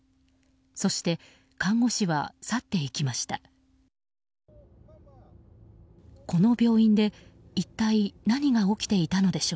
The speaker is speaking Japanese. そして、看護師は去っていきました。